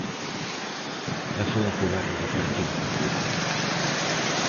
E foi un goberno do Partido Popular.